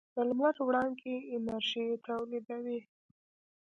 د لمر وړانګې انرژي تولیدوي.